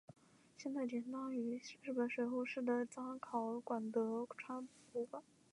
现在典藏于日本水户市的彰考馆德川博物馆。